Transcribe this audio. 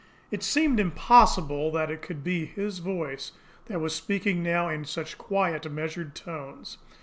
It seemed impossible that it could be his voice that was speaking now in such quiet, measured tones.